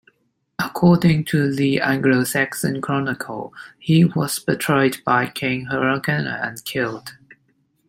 According to the "Anglo-Saxon Chronicle", he was betrayed by King Harthacnut and killed.